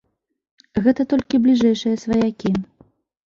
Гэта толькі бліжэйшыя сваякі.